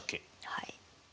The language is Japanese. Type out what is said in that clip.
はい。